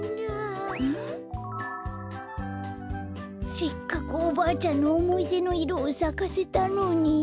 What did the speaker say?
せっかくおばあちゃんのおもいでのいろをさかせたのに。